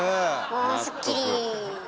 おすっきり。